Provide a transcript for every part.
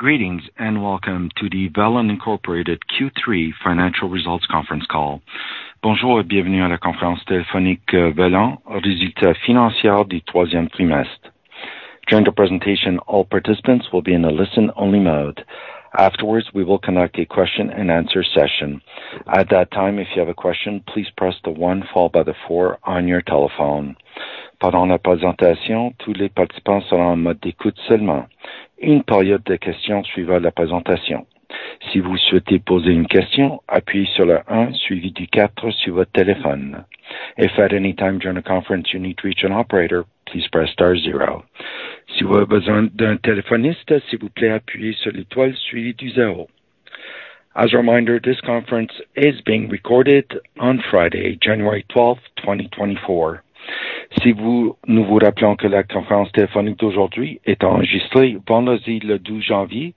Greetings, and welcome to the Velan Incorporated Q3 Financial Results conference call. Bonjour, et bienvenue à la conférence téléphonique Velan, résultats financiers du troisième trimestre. During the presentation, all participants will be in a listen-only mode. Afterwards, we will conduct a question-and-answer session. At that time, if you have a question, please press the one followed by the four on your telephone. Pendant la présentation, tous les participants seront en mode écoute seulement. Une période de questions suivra la présentation. Si vous souhaitez poser une question, appuyez sur le un suivi du quatre sur votre téléphone. If at any time during the conference, you need to reach an operator, please press star zero. Si vous avez besoin d'un téléphoniste, s'il vous plaît appuyez sur l'étoile suivi du zéro. As a reminder, this conference is being recorded on Friday, January twelfth, 2024. Nous vous rappelons que la conférence téléphonique d'aujourd'hui est enregistrée vendredi, le 12 janvier,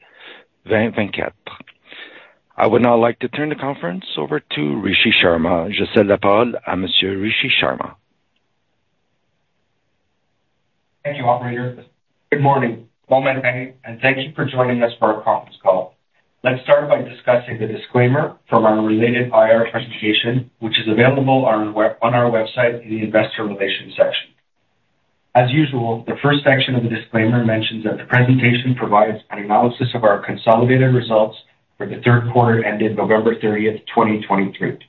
2024. I would now like to turn the conference over to Rishi Sharma. Je cède la parole à Monsieur Rishi Sharma. Thank you, operator. Good morning, everyone, and thank you for joining us for our conference call. Let's start by discussing the disclaimer from our related IR presentation, which is available on our website in the Investor Relations section. As usual, the first section of the disclaimer mentions that the presentation provides an analysis of our consolidated results for the third quarter ended November 30, 2023.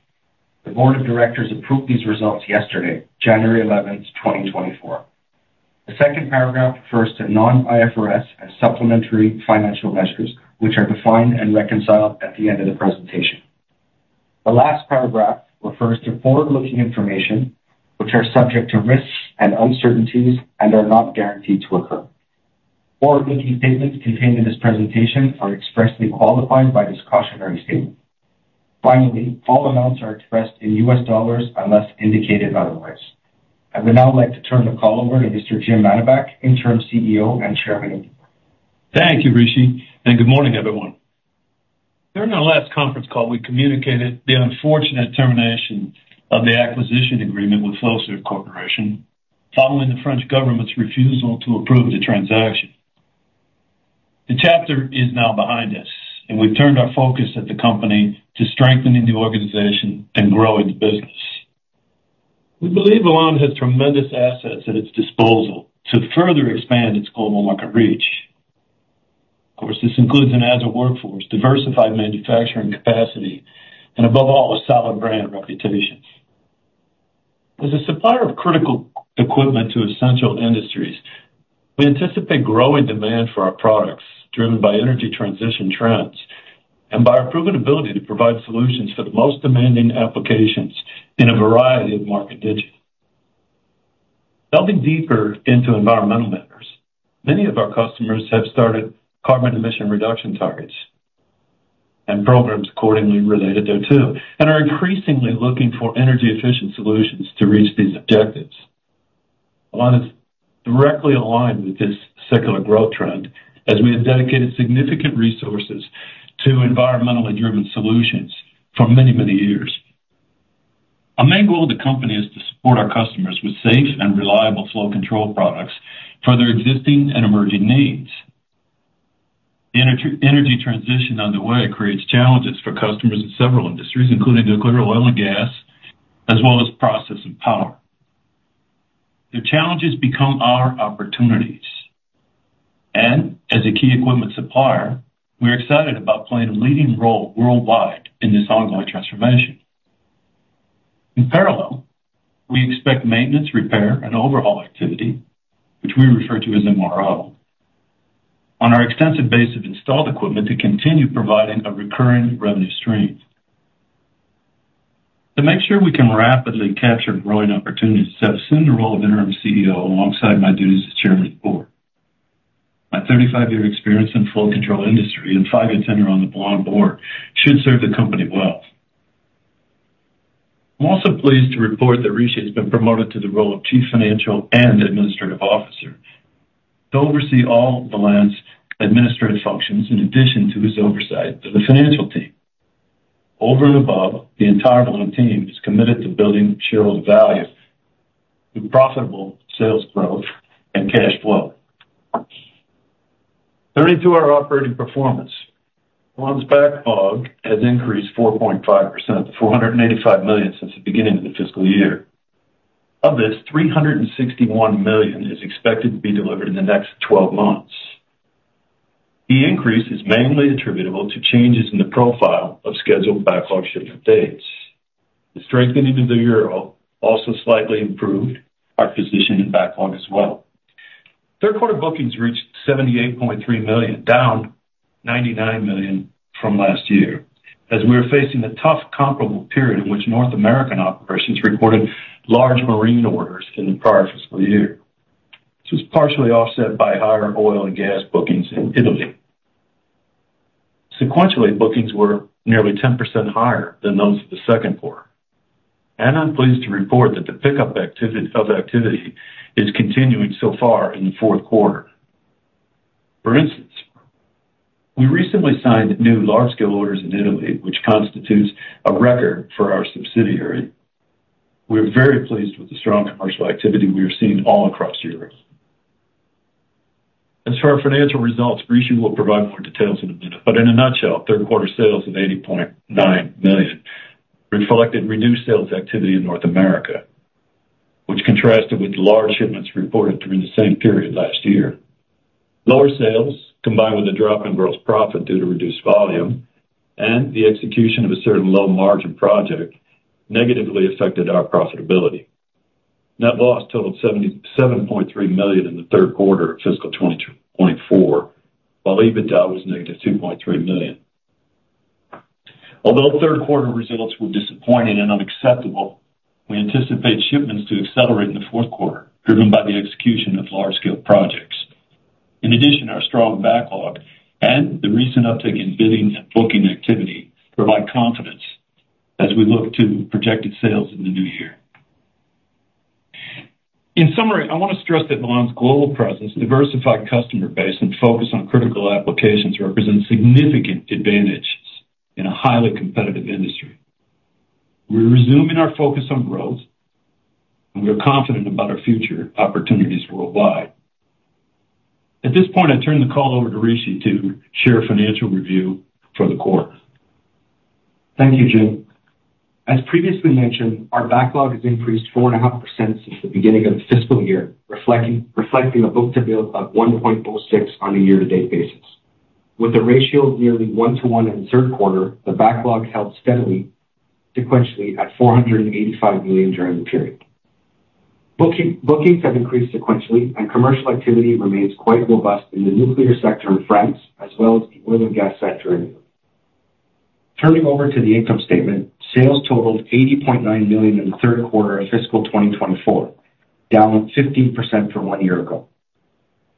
The board of directors approved these results yesterday, January 11, 2024. The second paragraph refers to non-IFRS as supplementary financial measures, which are defined and reconciled at the end of the presentation. The last paragraph refers to forward-looking information, which are subject to risks and uncertainties and are not guaranteed to occur. Forward-looking statements contained in this presentation are expressly qualified by this cautionary statement. Finally, all amounts are expressed in US dollars unless indicated otherwise. I would now like to turn the call over to Mr. James Mannebach, Interim CEO and Chairman. Thank you, Rishi, and good morning, everyone. During our last conference call, we communicated the unfortunate termination of the acquisition agreement with Flowserve Corporation, following the French government's refusal to approve the transaction. The chapter is now behind us, and we've turned our focus at the company to strengthening the organization and growing the business. We believe Velan has tremendous assets at its disposal to further expand its global market reach. Of course, this includes an agile workforce, diversified manufacturing capacity, and above all, a solid brand reputation. As a supplier of critical equipment to essential industries, we anticipate growing demand for our products, driven by energy transition trends and by our proven ability to provide solutions for the most demanding applications in a variety of market niches. Delving deeper into environmental matters, many of our customers have started carbon emission reduction targets and programs accordingly related thereto, and are increasingly looking for energy-efficient solutions to reach these objectives. Velan is directly aligned with this secular growth trend, as we have dedicated significant resources to environmentally driven solutions for many, many years. Our main goal of the company is to support our customers with safe and reliable flow control products for their existing and emerging needs. The energy transition underway creates challenges for customers in several industries, including nuclear, oil and gas, as well as process and power. Their challenges become our opportunities, and as a key equipment supplier, we are excited about playing a leading role worldwide in this ongoing transformation. In parallel, we expect maintenance, repair, and overhaul activity, which we refer to as MRO, on our extensive base of installed equipment to continue providing a recurring revenue stream. To make sure we can rapidly capture growing opportunities, I've assumed the role of Interim CEO alongside my duties as Chairman of the board. My 35-year experience in flow control industry and 5-year tenure on the Velan board should serve the company well. I'm also pleased to report that Rishi has been promoted to the role of Chief Financial and Administrative Officer to oversee all Velan's administrative functions, in addition to his oversight of the financial team. Over and above, the entire Velan team is committed to building shareholder value through profitable sales growth and cash flow. Turning to our operating performance, Velan's backlog has increased 4.5% to $485 million since the beginning of the fiscal year. Of this, $361 million is expected to be delivered in the next 12 months. The increase is mainly attributable to changes in the profile of scheduled backlog shipment dates. The strengthening of the euro also slightly improved our position in backlog as well. Third quarter bookings reached $78.3 million, down $99 million from last year, as we are facing a tough comparable period in which North American operations recorded large marine orders in the prior fiscal year. This was partially offset by higher oil and gas bookings in Italy. Sequentially, bookings were nearly 10% higher than those of the second quarter, and I'm pleased to report that the pickup in activity is continuing so far in the fourth quarter. For instance, we recently signed new large-scale orders in Italy, which constitutes a record for our subsidiary. We're very pleased with the strong commercial activity we are seeing all across Europe. As for our financial results, Rishi will provide more details in a minute, but in a nutshell, third quarter sales of $80.9 million reflected reduced sales activity in North America, which contrasted with large shipments reported during the same period last year. Lower sales, combined with a drop in gross profit due to reduced volume and the execution of a certain low-margin project, negatively affected our profitability. Net loss totaled $77.3 million in the third quarter of fiscal 2024, while EBITDA was -$2.3 million. Although third quarter results were disappointing and unacceptable, we anticipate shipments to accelerate in the fourth quarter, driven by the execution of large-scale projects. In addition, our strong backlog and the recent uptick in bidding and booking activity provide confidence as we look to projected sales in the new year. In summary, I want to stress that Velan's global presence, diversified customer base, and focus on critical applications represent significant advantages in a highly competitive industry. We're resuming our focus on growth, and we are confident about our future opportunities worldwide. At this point, I turn the call over to Rishi to share a financial review for the quarter. Thank you, Jim. As previously mentioned, our backlog has increased 4.5% since the beginning of the fiscal year, reflecting a book-to-bill of 1.46 on a year-to-date basis. With a ratio of nearly one to one in the third quarter, the backlog held steadily sequentially at $485 million during the period. Bookings have increased sequentially, and commercial activity remains quite robust in the nuclear sector in France, as well as the oil and gas sector. Turning over to the income statement, sales totaled $80.9 million in the third quarter of fiscal 2024, down 15% from one year ago.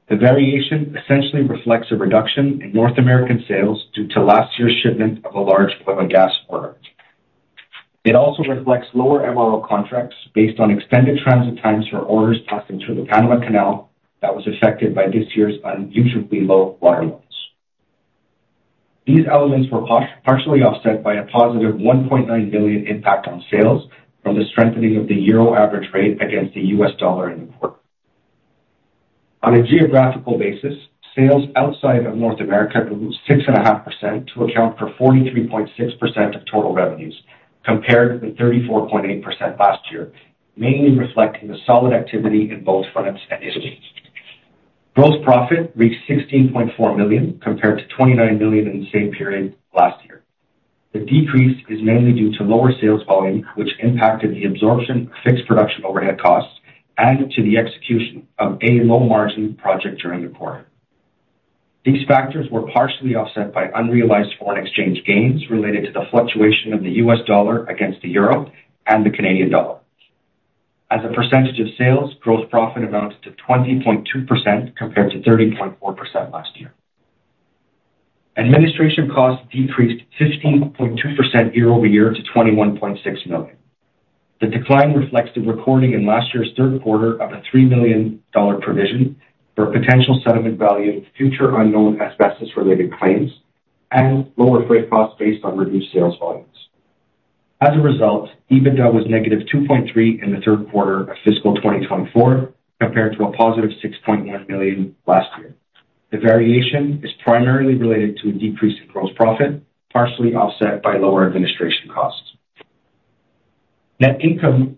The variation essentially reflects a reduction in North American sales due to last year's shipment of a large oil and gas order. It also reflects lower MRO contracts based on extended transit times for orders passing through the Panama Canal that was affected by this year's unusually low water levels. These elements were partially offset by a positive $1.9 billion impact on sales from the strengthening of the euro average rate against the US dollar in the quarter. On a geographical basis, sales outside of North America grew 6.5% to account for 43.6% of total revenues, compared to 34.8% last year, mainly reflecting the solid activity in both France and Italy. Gross profit reached $16.4 million, compared to $29 million in the same period last year. The decrease is mainly due to lower sales volume, which impacted the absorption of fixed production overhead costs and to the execution of a low-margin project during the quarter. These factors were partially offset by unrealized foreign exchange gains related to the fluctuation of the US dollar against the euro and the Canadian dollar. As a percentage of sales, gross profit amounted to 20.2%, compared to 30.4% last year. Administration costs decreased 15.2% year-over-year to $21.6 million. The decline reflects the recording in last year's third quarter of a $3 million provision for potential settlement value of future unknown asbestos-related claims and lower freight costs based on reduced sales volumes. As a result, EBITDA was -$2.3 million in the third quarter of fiscal 2024, compared to $6.1 million last year. The variation is primarily related to a decrease in gross profit, partially offset by lower administration costs. Net income,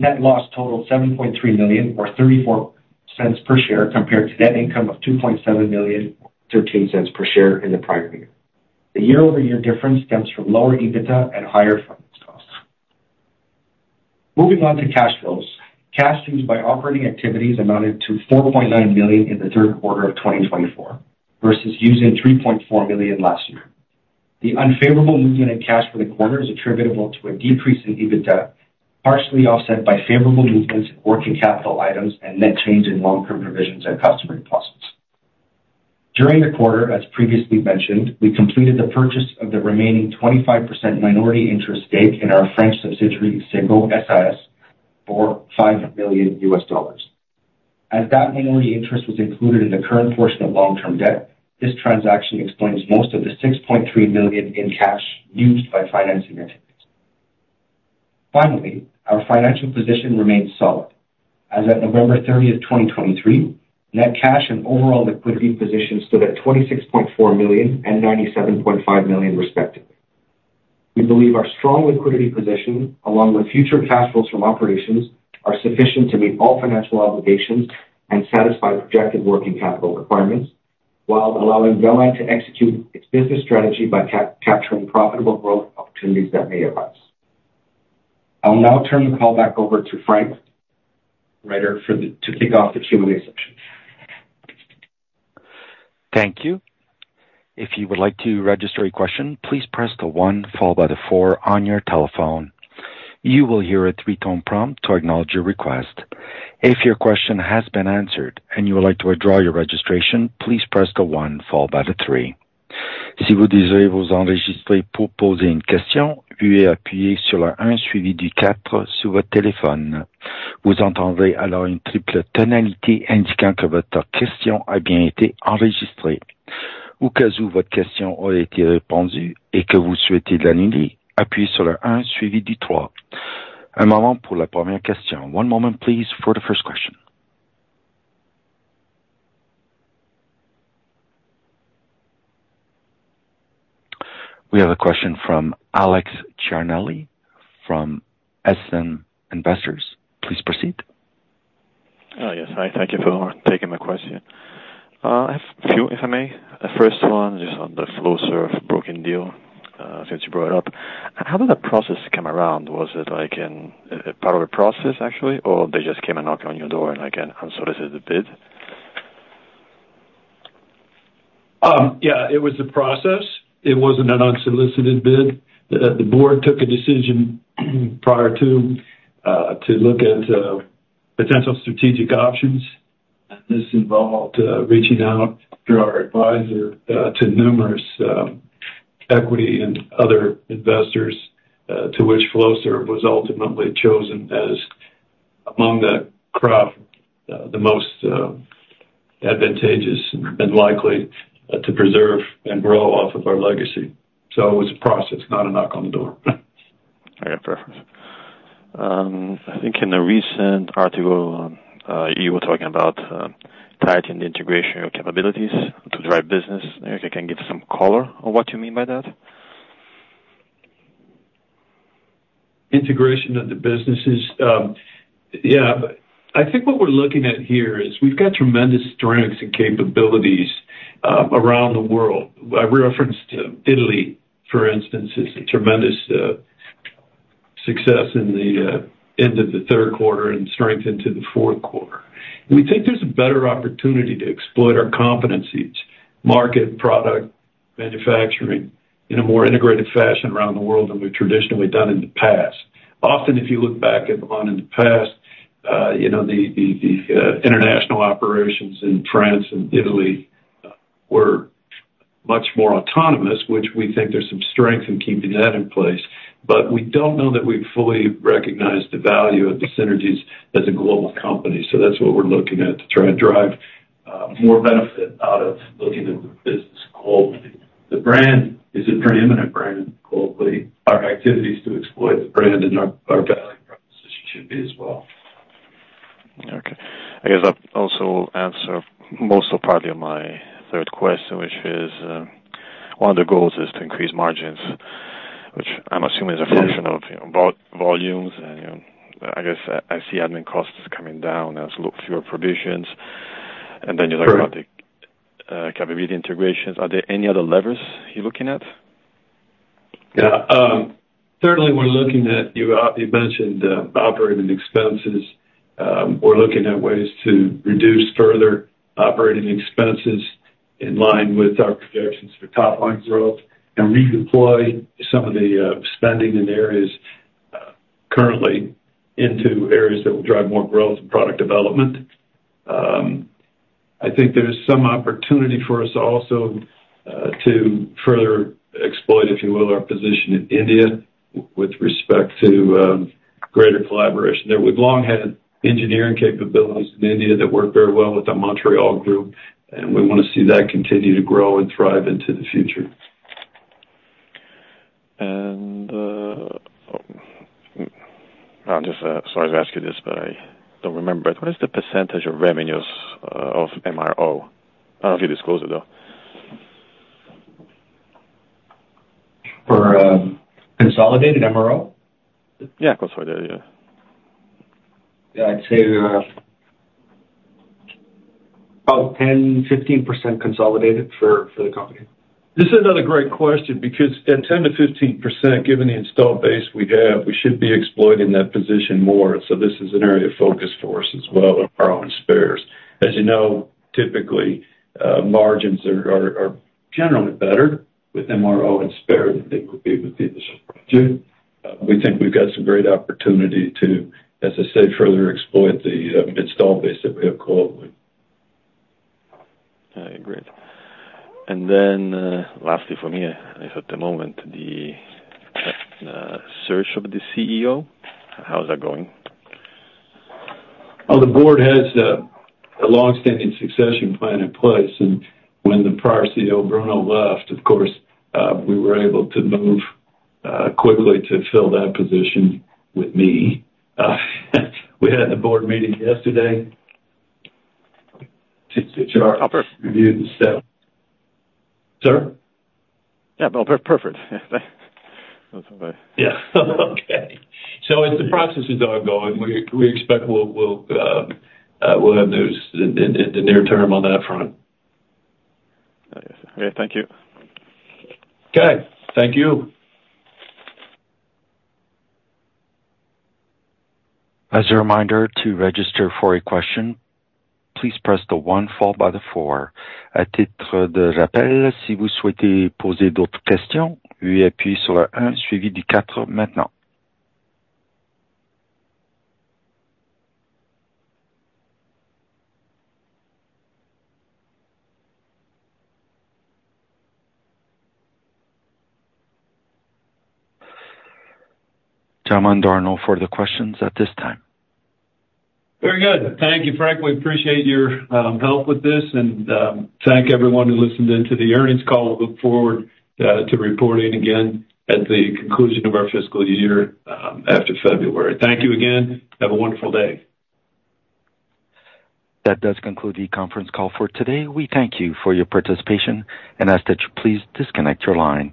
net loss totaled $7.3 million, or $0.34 per share, compared to net income of $2.7 million, $0.13 per share in the prior year. The year-over-year difference stems from lower EBITDA and higher finance costs. Moving on to cash flows. Cash used by operating activities amounted to $4.9 million in the third quarter of 2024, versus using $3.4 million last year. The unfavorable movement in cash for the quarter is attributable to a decrease in EBITDA, partially offset by favorable movements in working capital items and net change in long-term provisions and customer deposits. During the quarter, as previously mentioned, we completed the purchase of the remaining 25% minority interest stake in our French subsidiary, Segault SAS, for $5 million. As that minority interest was included in the current portion of long-term debt, this transaction explains most of the $6.3 million in cash used by financing activities. Finally, our financial position remains solid. As at November 30, 2023, net cash and overall liquidity position stood at $26.4 million and $97.5 million, respectively. We believe our strong liquidity position, along with future cash flows from operations, are sufficient to meet all financial obligations and satisfy projected working capital requirements while allowing Velan to execute its business strategy by capturing profitable growth opportunities that may arise. I'll now turn the call back over to Frank Reiter for the to kick off the Q&A session. Thank you. If you would like to register a question, please press the 1 followed by the 4 on your telephone. You will hear a three-tone prompt to acknowledge your request. If your question has been answered and you would like to withdraw your registration, please press the 1 followed by the 3. Si vous désirez vous enregistrer pour poser une question, veuillez appuyer sur le un suivi du quatre sur votre téléphone. Vous entendrez alors une triple tonalité indiquant que votre question a bien été enregistrée.... Au cas où votre question aurait été répondue et que vous souhaitez l'annuler, appuyez sur le un suivi du trois. Un moment pour la première question. One moment please for the first question. We have a question from Alex Ciarnelli from SM Investors. Please proceed. Yes. Hi, thank you for taking my question. I have a few, if I may. The first one, just on the Flowserve broken deal, since you brought it up. How did that process come around? Was it like in a part of a process, actually, or they just came and knocked on your door and, like, unsolicited the bid? Yeah, it was a process. It wasn't an unsolicited bid. The board took a decision prior to look at potential strategic options. And this involved reaching out through our advisor to numerous equity and other investors, to which Flowserve was ultimately chosen as, among that crowd, the most advantageous and likely to preserve and grow off of our legacy. So it was a process, not a knock on the door. I agree. I think in a recent article, you were talking about tightening the integration of capabilities to drive business. Maybe you can give some color on what you mean by that? Integration of the businesses? Yeah. I think what we're looking at here is we've got tremendous strengths and capabilities around the world. I referenced to Italy, for instance, it's a tremendous success in the end of the third quarter and strength into the fourth quarter. We think there's a better opportunity to exploit our competencies, market, product, manufacturing, in a more integrated fashion around the world than we've traditionally done in the past. Often, if you look back in the past, you know, the international operations in France and Italy were much more autonomous, which we think there's some strength in keeping that in place. But we don't know that we've fully recognized the value of the synergies as a global company. So that's what we're looking at, to try and drive, more benefit out of looking at the business globally. The brand is a very eminent brand globally. Our activities to exploit the brand and our, our value proposition should be as well. Okay. I guess that also answers most or partly of my third question, which is, one of the goals is to increase margins, which I'm assuming is a function of, you know, volumes and, you know, I guess I see admin costs coming down as, like, fewer provisions. Sure. And then you talk about the capability integrations. Are there any other levers you're looking at? Yeah. Certainly, we're looking at, you, you mentioned, operating expenses. We're looking at ways to reduce further operating expenses in line with our projections for top line growth and redeploy some of the, spending in areas, currently into areas that will drive more growth and product development. I think there's some opportunity for us also, to further exploit, if you will, our position in India with respect to, greater collaboration there. We've long had engineering capabilities in India that work very well with the Montreal group, and we want to see that continue to grow and thrive into the future. I'm just sorry to ask you this, but I don't remember. What is the percentage of revenues of MRO? I don't know if you disclose it, though. For consolidated MRO? Yeah, consolidated, yeah. Yeah, I'd say about 10%-15% consolidated for the company. This is another great question, because at 10%-15%, given the installed base we have, we should be exploiting that position more, so this is an area of focus for us as well, our own spares. As you know, typically, margins are generally better with MRO and spare than they would be with the other two. We think we've got some great opportunity to, as I said, further exploit the installed base that we have globally. I agree. And then, lastly, for me, at the moment, the search of the CEO, how is that going? Well, the board has a long-standing succession plan in place, and when the prior CEO, Bruno, left, of course, we were able to move quickly to fill that position with me. We had a board meeting yesterday to chart- Perfect. Review the staff. Sir? Yeah. No, perfect. Yeah, thanks. That's okay. Yeah. Okay. So as the processes are going, we expect we'll have news in the near term on that front. Yes. Okay, thank you. Okay, thank you. As a reminder, to register for a question, please press the one followed by the four. A titre de rappel, si vous souhaitez poser d'autres questions, veuillez appuyer sur le un suivi du quatre maintenant. There are no further questions at this time. Very good. Thank you, Frank. We appreciate your help with this, and thank everyone who listened in to the earnings call. We look forward to reporting again at the conclusion of our fiscal year after February. Thank you again. Have a wonderful day. That does conclude the conference call for today. We thank you for your participation and ask that you please disconnect your line.